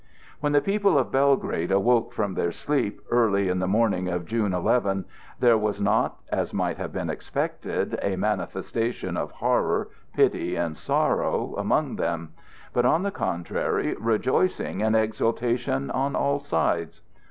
When the people of Belgrade awoke from their sleep early in the morning of June 11, there was not, as might have been expected, a manifestation of horror, pity, and sorrow, among them, but, on the contrary, rejoicing and exultation on all sides.